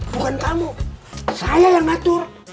bukan kamu saya yang ngatur